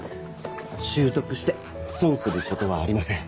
習得して損することはありません。